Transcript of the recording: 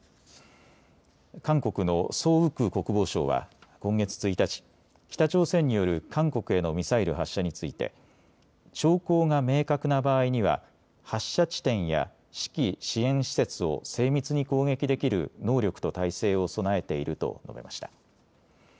韓国のソ・ウク国防相は今月１日、北朝鮮による韓国へのミサイル発射について兆候が明確な場合には発射地点や指揮・支援施設を精密に攻撃できる能力と態勢を備えていると述べました。